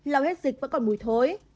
lao hết dịch vẫn còn mùi thối